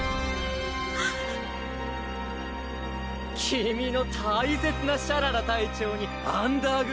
君の大切なシャララ隊長にアンダーグ